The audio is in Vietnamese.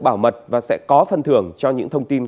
bảo mật và sẽ có phân thưởng cho những thông tin